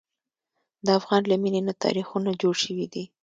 د افغان له مینې نه تاریخونه جوړ شوي دي.